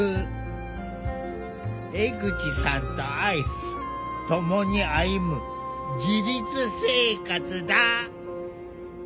江口さんとアイス共に歩む自立生活だ。